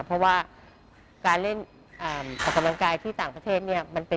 เพราะว่าการเล่นการกำลังกายที่ต่างประเทศเนี่ย